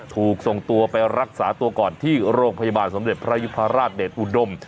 ถูกส่งตัวไปรักษาตัวก่อนที่โรงพยาบาลสมเด็จพระยุพราชเดชอุดม